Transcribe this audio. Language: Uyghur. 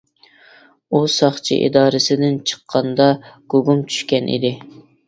ئۇ ساقچى ئىدارىسىدىن چىققاندا گۇگۇم چۈشكەن ئىدى.